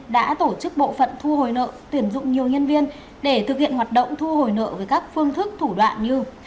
đã tổ chức bộ phận thu hồi nợ tuyển dụng nhiều nhân viên để thực hiện hoạt động thu hồi nợ với các phương thức thủ đoạn như